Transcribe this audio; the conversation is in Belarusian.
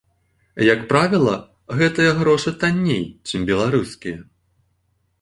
Як правіла, гэтыя грошы танней, чым беларускія.